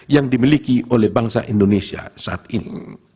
yang dimiliki oleh bangsa indonesia saat ini